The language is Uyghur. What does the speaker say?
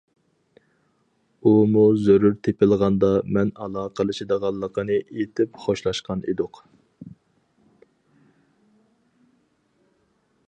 ئۇمۇ زۆرۈر تېپىلغاندا مەن ئالاقىلىشىدىغانلىقىنى ئېيتىپ خوشلاشقان ئىدۇق.